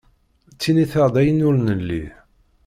Ttiniteɣ-d ayen ur nelli.